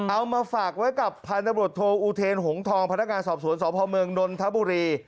เอามาฝากไว้กับพันธบทโทอุเทนหงทองพนักงานสอบสวนสพเมืองนนทบุรี